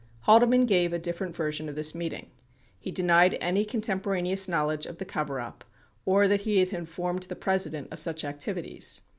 37 Haldeman gave a different version of this meeting. He denied any contemporaneous knowledge of the coverup or that he had informed the President of such activities.